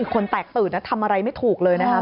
คนแตกตื่นทำอะไรไม่ถูกเลยนะครับ